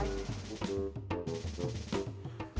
jangan jangan dia meladak kita lagi maaf